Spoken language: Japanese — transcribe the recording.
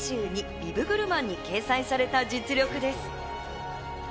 ビブグルマン』に掲載された実力です。